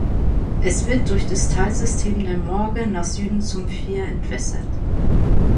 Es wird durch das Talsystem der Morge nach Süden zum Fier entwässert.